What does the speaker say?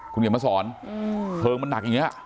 คุณเขียนมาสอนเพลิงมันหนักอย่างนี้